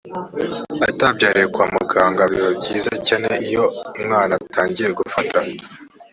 atabyariye kwa muganga biba byiza cyane iyo umwana atangiye gufata